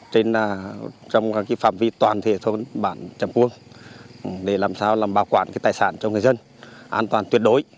trong phạm vi toàn thể thôn bản trầm cuông để làm sao làm bảo quản tài sản cho người dân an toàn tuyệt đối